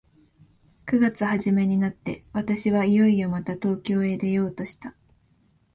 九月始めになって、私はいよいよまた東京へ出ようとした。